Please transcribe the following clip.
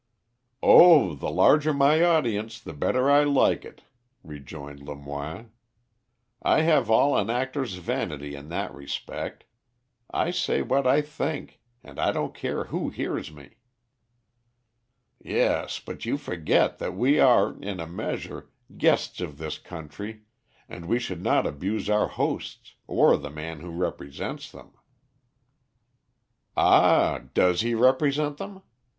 "Oh! the larger my audience, the better I like it," rejoined Lemoine. "I have all an actor's vanity in that respect. I say what I think, and I don't care who hears me." "Yes, but you forget that we are, in a measure, guests of this country, and we should not abuse our hosts, or the man who represents them." "Ah, does he represent them?